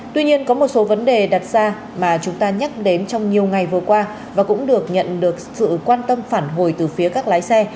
tuy nhiên có một số vấn đề đặt ra mà chúng ta nhắc đến trong nhiều ngày vừa qua và cũng được nhận được sự quan tâm phản hồi từ phía các lái xe